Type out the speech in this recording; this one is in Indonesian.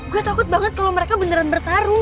gue takut banget kalau mereka beneran bertarung